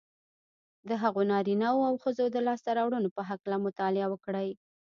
د هغو نارینهوو او ښځو د لاسته رواړنو په هکله مطالعه وکړئ